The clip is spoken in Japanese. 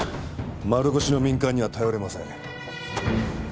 丸腰の民間には頼れません。